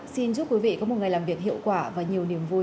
xin chúc quý vị có một ngày làm việc hiệu quả và nhiều niềm vui